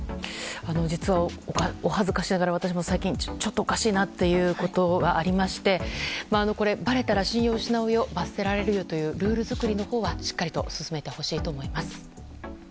実は、お恥ずかしながら私も最近ちょっとおかしいなということがありましてこれ、ばれたら信用失うよ罰せられるよというルール作りのほうはしっかりと進めてほしいと思います。